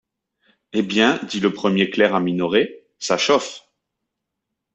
Eh! bien, dit le premier clerc à Minoret, ça chauffe !